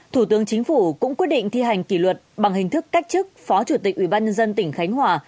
thủ tướng chính phủ cũng quyết định thi hành kỷ luật bằng hình thức cách chức phó chủ tịch ubnd tỉnh khánh hòa